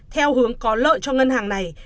theo hướng có lợi cho ngân hàng này